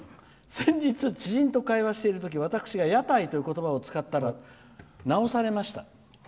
「先日、知人と会話しているとき屋台ということばを使ったら直されました。